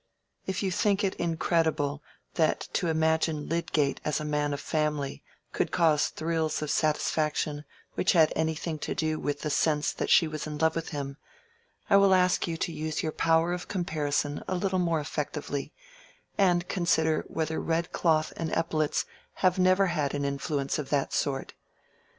If you think it incredible that to imagine Lydgate as a man of family could cause thrills of satisfaction which had anything to do with the sense that she was in love with him, I will ask you to use your power of comparison a little more effectively, and consider whether red cloth and epaulets have never had an influence of that sort.